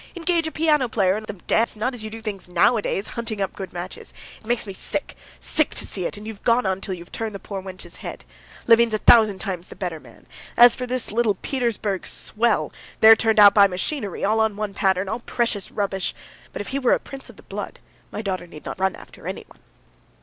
Engage a piano player, and let them dance, and not as you do things nowadays, hunting up good matches. It makes me sick, sick to see it, and you've gone on till you've turned the poor wench's head. Levin's a thousand times the better man. As for this little Petersburg swell, they're turned out by machinery, all on one pattern, and all precious rubbish. But if he were a prince of the blood, my daughter need not run after anyone."